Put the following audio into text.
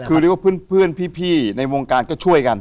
คือเรียกว่าเพื่อนพี่ในวงการก็ช่วยกัน